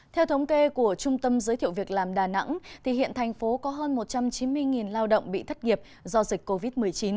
theo thống kê của trung tâm giới thiệu việc làm đà nẵng hiện thành phố có hơn một trăm chín mươi lao động bị thất nghiệp do dịch covid một mươi chín